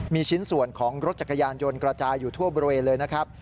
มีชิ้นส่วนของรถจักรยานยนต์กระจายอยู่ทั่วบริเวณเลยนะครับ